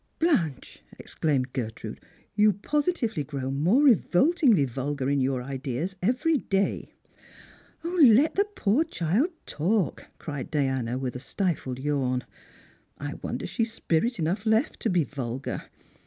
" Blanche," exclaimed Gertrude, " you positively grow more revoltingly vulgar in your ideas every day." " Let the poor child talk," cried Diana, with a stifled yawn. " I wonder she has spirit enough left to be vulgar.